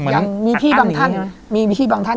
ยังมีที่บางท่าน